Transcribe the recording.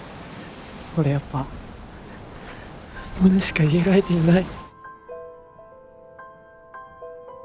俺やっぱモネしか言える相手いない。